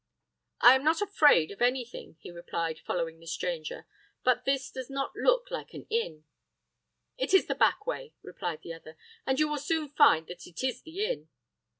"I am not afraid of any thing," he replied, following the stranger. "But this does not look like an inn." "It is the back way," replied the other; "and you will soon find that it is the inn."